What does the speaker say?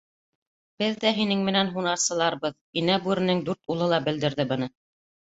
— Беҙ ҙә һинең менән һунарсыларбыҙ, — Инә Бүренең дүрт улы ла белдерҙе быны.